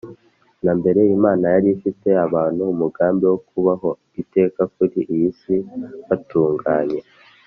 Na mbere imana yari ifitiye abantu umugambi wo kubaho iteka kuri iyi si batunganye